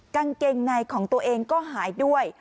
กางเกงในของตัวเองก็หายด้วย